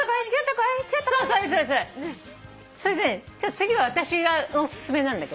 次は私のお薦めなんだけど微妙。